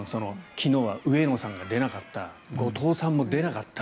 昨日は上野さんが出なかった後藤さんも出なかった。